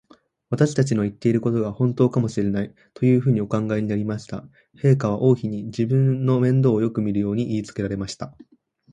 私たちの言ってることが、ほんとかもしれない、というふうにお考えになりました。陛下は王妃に、私の面倒をよくみるように言いつけられました。